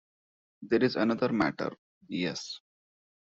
"There is another matter..." "Yes?"